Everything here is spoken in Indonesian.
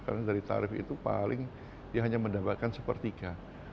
karena dari tarif itu paling hanya mendapatkan sepertiga